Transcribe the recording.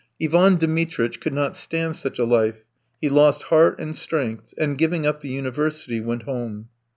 Ivan Dmitritch could not stand such a life; he lost heart and strength, and, giving up the university, went home.